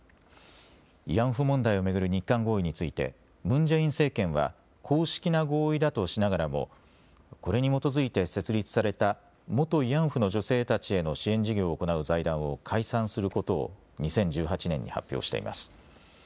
慰安婦問題を巡る日韓合意についてムン・ジェイン政権は公式な合意だとしながらもこれに基づいて設立された元慰安婦の女性たちへの支援事業を行う財団を解散することを２０１８年に発表しています。